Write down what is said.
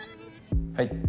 はい。